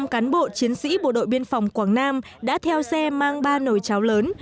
một trăm linh cán bộ chiến sĩ bộ đội biên phòng quảng nam đã theo xe mang ba nồi cháo lớn